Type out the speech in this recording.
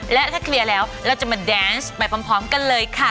และถ้าเคลียร์แล้วเราจะมาแดนส์ไปพร้อมกันเลยค่ะ